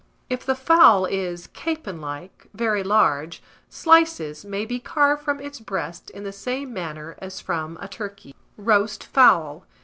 If the fowl is, capon like, very large, slices maybe carved from its breast in the same manner as from a turkey's. ROAST FOWL.